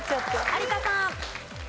有田さん。